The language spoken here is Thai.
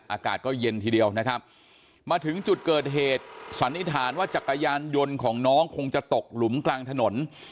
อากาศก็เย็นทีเดียวนะครับมาถึงจุดเกิดเหตุสันนิษฐานว่าจักรยานยนต์ของน้องคงจะตกหลุมกลางถนน